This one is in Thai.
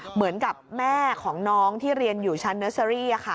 เหมือนกับแม่ของน้องที่เรียนอยู่ชั้นเนอร์เซอรี่